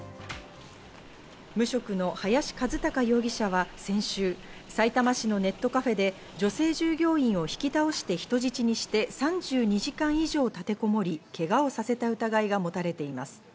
無職の林一貴容疑者は先週、さいたま市のネットカフェで女性従業員を引き倒して人質にして３２時間以上立てこもり、けがをさせた疑いがもたれています。